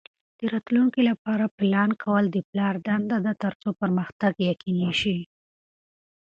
د راتلونکي لپاره پلان کول د پلار دنده ده ترڅو پرمختګ یقیني شي.